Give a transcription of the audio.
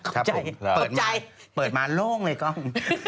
ครับผมเปิดมาโล่งเลยกล้อง